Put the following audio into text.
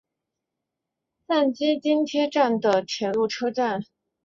赞岐津田站的铁路车站。